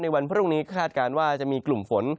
วันพรุ่งนี้คาดการณ์ว่าจะมีกลุ่มฝน